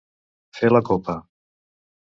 Fer la copa.